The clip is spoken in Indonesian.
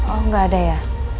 oh gak ada ya